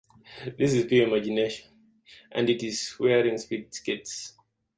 This is pure imagination, and it is wearing speed skates.